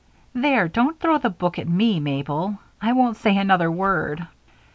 There, don't throw the book at me, Mabel I won't say another word."